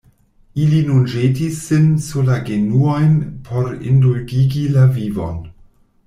Ili nun ĵetis sin sur la genuojn por indulgigi la vivon.